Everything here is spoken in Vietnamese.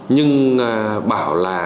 nhưng bảo là